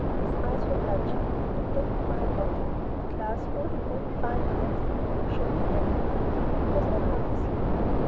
His eyes were blood shot, and an empty wine bottle and glass holding only wine dregs showed he had been drinking and was now half asleep.